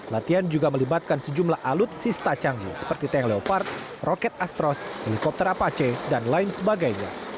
latihan juga melibatkan sejumlah alutsista canggih seperti tank leopard roket astros helikopter apache dan lain sebagainya